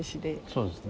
そうですね。